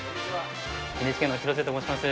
ＮＨＫの廣瀬と申します。